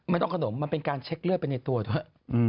ต้องขนมมันเป็นการเช็คเลือดไปในตัวด้วย